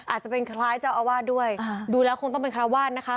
อาจจะเป็นคล้ายเจ้าอาวาสด้วยดูแล้วคงต้องเป็นคาราวาสนะคะ